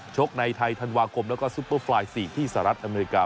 ชกในไทยธันวาคมแล้วก็ซุปเปอร์ไฟล์๔ที่สหรัฐอเมริกา